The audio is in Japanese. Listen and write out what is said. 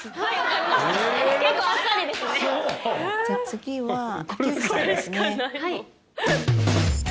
じゃあ次は。